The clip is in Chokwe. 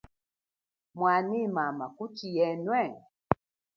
Mwanyi mama kuchi yenwe?